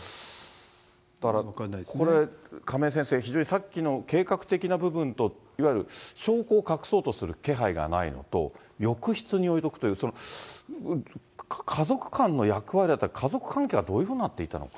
だから、これ、亀井先生、非常にさっきの計画的な部分と、いわゆる証拠を隠そうとする気配がないのと、浴室に置いておくという、その家族間の役割だったり、家族関係はどういうふうになっていたのか。